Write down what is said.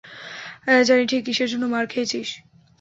জানি ঠিক কীসের জন্য মার খেয়েছিস।